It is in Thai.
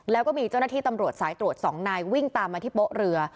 แล้วก็มีเจ้าหน้าที่ตำรวจสายตรวจ๒นายวิ่งตามมาที่โป๊ะเรือ